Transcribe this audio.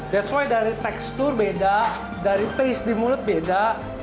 that's why dari tekstur beda dari taste di mulut beda